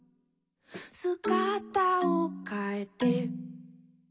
「すがたをかえて」